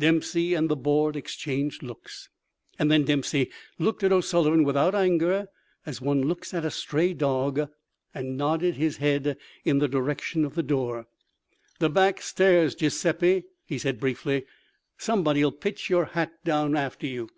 Dempsey and the board exchanged looks. And then Dempsey looked at O'Sullivan without anger, as one looks at a stray dog, and nodded his head in the direction of the door. "The back stairs, Giuseppi," he said, briefly. "Somebody'll pitch your hat down after you."